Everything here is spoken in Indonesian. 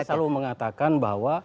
saya selalu mengatakan bahwa